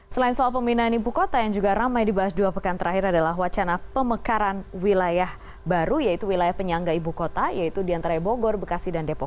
selain soal pembinaan ibu kota yang juga ramai dibahas dua pekan terakhir adalah wacana pemekaran wilayah baru yaitu wilayah penyangga ibu kota yaitu diantara bogor bekasi dan depok